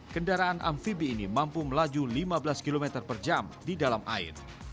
kendaraan amfibi ini mampu melaju lima belas km per jam di dalam air